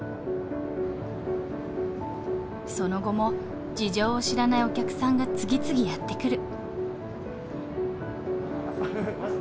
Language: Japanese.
その後も事情を知らないお客さんが次々やって来る。